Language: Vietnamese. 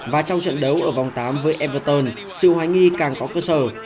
và trong trận đấu ở vòng tám với everton sự hoái nghi càng có cơ sở